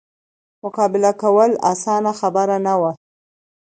مقابله کول اسانه خبره نه وه.